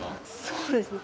そうですね。